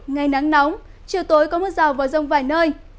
ngày nắng nóng chiều tối có mưa rào và rông vài nơi